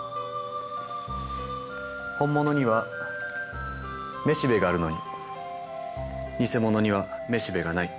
ホンモノにはめしべがあるのにニセモノにはめしべがない。